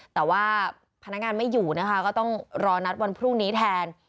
แต่ว่าพนักงานไม่อยู่นะคะก็ต้องรอนัดวันพรุ่งนี้แทน